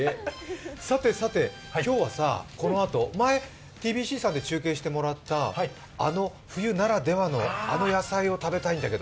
さてさて、今日はこのあと、前ｔｂｃさんで中継してもらったあの冬ならではの、あの野菜を食べたいんだけど。